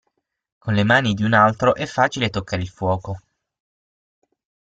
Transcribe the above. Con le mani di un altro è facile toccare il fuoco.